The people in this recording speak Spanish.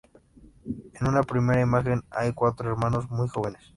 En una primera imagen hay cuatro hermanos muy jóvenes.